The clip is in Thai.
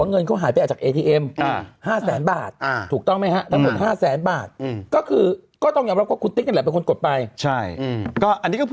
อันนี้ก็พูดคนละมุมกันอีก